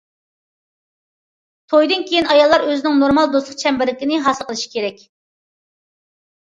تويدىن كىيىن ئاياللار ئۆزىنىڭ نورمال دوستلۇق چەمبىرىكىنى ھاسىل قىلىش كېرەك.